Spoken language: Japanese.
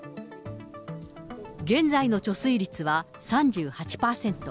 現在の貯水率は３８％。